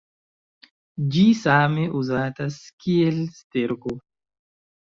Ĝi same uzatas kiel sterko.